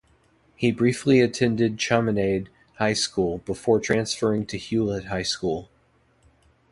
He briefly attended Chaminade High School before transferring to Hewlett High School.